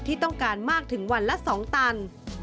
ที่ต้องการมากถึงวันละ๒ตัน